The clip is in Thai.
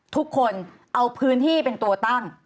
ทุกคนเอาพื้นที่เป็นตัวตั้ง